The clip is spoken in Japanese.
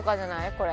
これ。